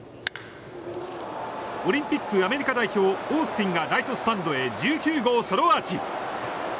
オリンピック、アメリカ代表オースティンがライトスタンドへ１９号ソロアーチ。